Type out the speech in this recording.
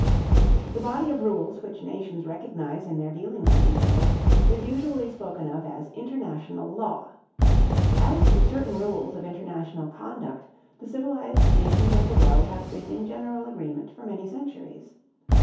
The body of rules which nations recognize in their dealings with each other is usually spoken of as international law. As to certain rules of international conduct the civilized nations of the world have been in general agreement for many centuries.